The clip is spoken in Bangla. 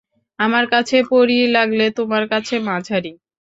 আমার কাছে পরী লাগলে তোমার কাছে মাঝারি।